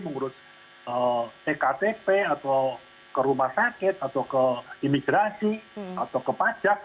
mengurus ektp atau ke rumah sakit atau ke imigrasi atau ke pajak